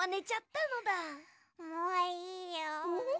もういいよ。